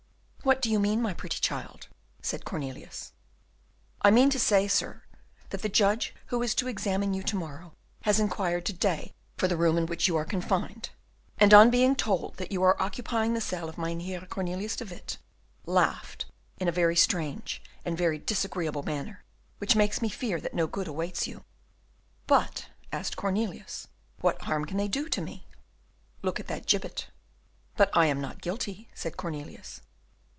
"What do you mean, my pretty child?" said Cornelius. "I mean to say, sir, that the judge who is to examine you to morrow has inquired to day for the room in which you are confined, and, on being told that you are occupying the cell of Mynheer Cornelius de Witt, laughed in a very strange and very disagreeable manner, which makes me fear that no good awaits you." "But," asked Cornelius, "what harm can they do to me?" "Look at that gibbet." "But I am not guilty," said Cornelius.